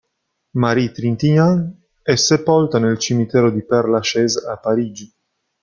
Marie Trintignant è sepolta nel cimitero di Père Lachaise a Parigi.